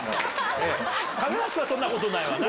亀梨君はそんなことないわな？